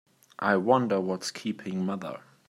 I wonder what's keeping mother?